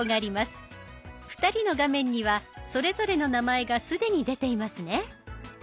２人の画面にはそれぞれの名前が既に出ていますね。